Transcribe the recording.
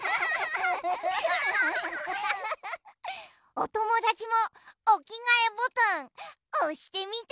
おともだちもおきがえボタンおしてみて。